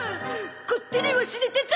こってり忘れてた！